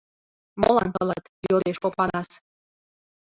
— Молан тылат? — йодеш Опанас.